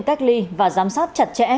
cách ly và giám sát chặt chẽ